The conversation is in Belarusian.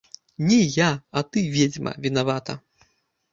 Не я, а ты, ведзьма, вінавата!